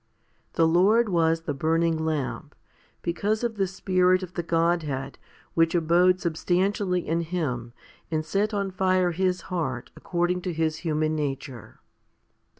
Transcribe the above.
The Lord was the burning lamp? because of the Spirit of the Godhead which abode substantially in Him and set on fire His heart according to His human nature.